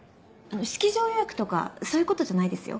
式場予約とかそういうことじゃないですよ。